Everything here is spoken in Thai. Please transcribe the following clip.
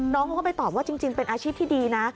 น้องเขาก็ไปตอบว่าจริงเป็นอาชีพที่ดีนะ